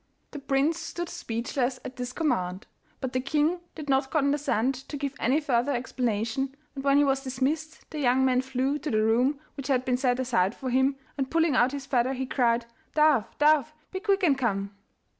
The prince stood speechless at this command, but the king did not condescend to give any further explanation, and when he was dismissed the young man flew to the room which had been set aside for him, and pulling out his feather, he cried: 'Dove, dove! be quick and come.